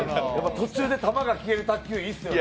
途中で球が消える卓球、いいですね。